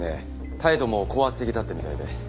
態度も高圧的だったみたいで。